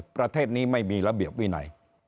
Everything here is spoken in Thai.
ประเทศนี้ไม่มีระเบียบวินัย